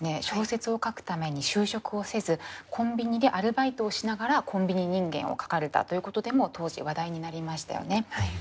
小説を書くために就職をせずコンビニでアルバイトをしながら「コンビニ人間」を書かれたということでも当時話題になりましたよね。